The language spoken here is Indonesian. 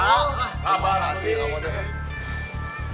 gimana sih kamu itu